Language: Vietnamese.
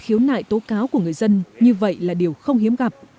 khiếu nại tố cáo của người dân như vậy là điều không hiếm gặp